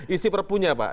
isi perpunya pak